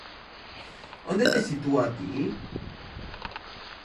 Onde te sitúa a ti?